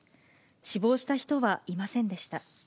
死亡した人はいませんでした。